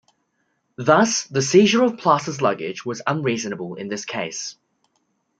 Thus, the seizure of Place's luggage was unreasonable in this case.